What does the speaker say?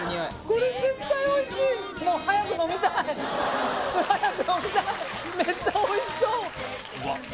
これ絶対おいしいもう早く飲みたい早く飲みたいめっちゃおいしそう！